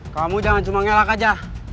kamu jangan cuma ngelak aja